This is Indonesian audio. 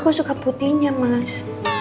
gue suka putihnya mas